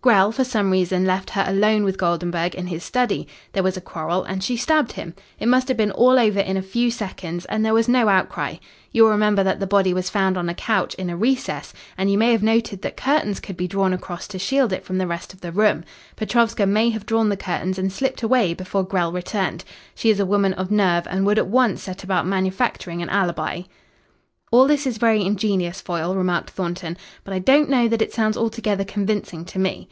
Grell, for some reason, left her alone with Goldenburg in his study. There was a quarrel, and she stabbed him. It must have been all over in a few seconds, and there was no outcry. You will remember that the body was found on a couch in a recess, and you may have noted that curtains could be drawn across to shield it from the rest of the room. Petrovska may have drawn the curtains and slipped away before Grell returned. She is a woman of nerve and would at once set about manufacturing an alibi." "All this is very ingenious, Foyle," remarked Thornton, "but I don't know that it sounds altogether convincing to me."